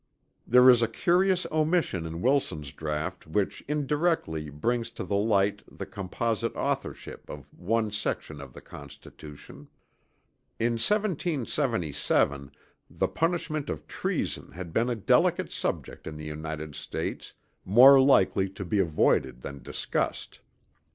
There is a curious omission in Wilson's draught which indirectly brings to the light the composite authorship of one section of the Constitution. In 1777 the punishment of treason had been a delicate subject in the United States more likely to be avoided than discussed.